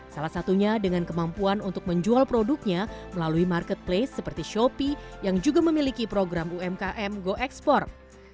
salah satunya dengan kemampuan untuk menjual produknya melalui marketplace seperti shopee yang juga memiliki program umkm go export